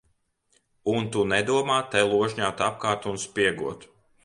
Un tu nedomā te ložņāt apkārt un spiegot.